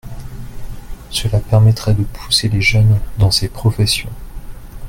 Cela permettrait de pousser les jeunes dans ces professions.